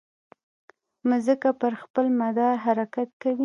مځکه پر خپل مدار حرکت کوي.